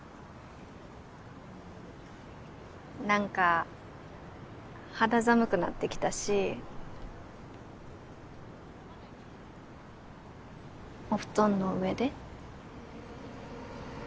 なんか肌寒くなってきたしお布団の上で。